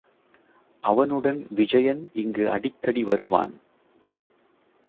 அவனுடன் விஜயன் இங்கு அடிக்கடி வருவான்.